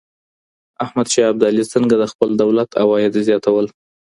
احمد شاه ابدالي څنګه د خپل دولت عوايد زياتول؟